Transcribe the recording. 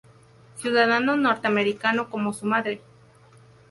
Ciudadano norteamericano como su madre.